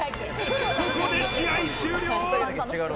ここで試合終了。